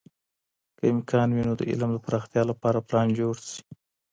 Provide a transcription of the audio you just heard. که امکان وي، نو د علم د پراختیا لپاره پلان جوړ سي.